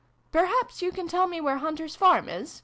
" Perhaps you can tell me where Hunter's farm is